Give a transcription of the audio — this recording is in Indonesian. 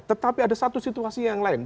tetapi ada satu situasi yang lain